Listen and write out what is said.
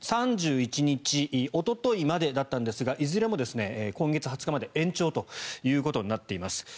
３１日おとといまでだったんですがいずれも今月２０日まで延長となっています。